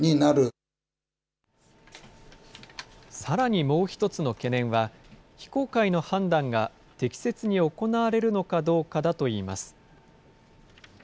さらにもう一つの懸念は、非公開の判断が適切に行われるのかどうかだといいます。